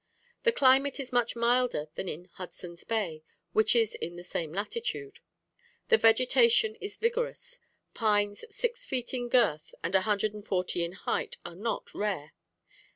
The climate is much milder than in Hudson's Bay, which is in the same latitude. The vegetation is vigorous; pines six feet in girth, and a hundred and forty in height, are not rare.